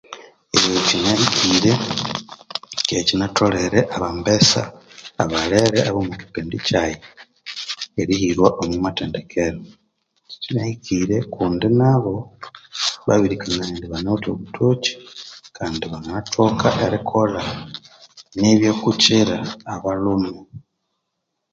Kinahikire Kandi kinatholere abambesa abalere abomwakipindi kyaghe erihirwa omwithendekero kinahikire kundi nabu babiri kanganya obuthoki Kandi banganathoka erikolha nibya kukira abalhume